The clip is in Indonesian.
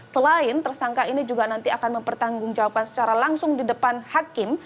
selain tersangka ini juga nanti akan mempertanggungjawabkan secara langsung di depan hakim